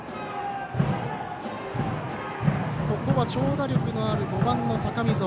ここは長打力のある５番の高見澤。